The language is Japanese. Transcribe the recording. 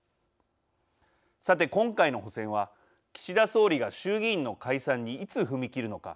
さて今回の補選は岸田総理が衆議院の解散にいつ踏み切るのか。